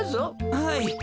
はい！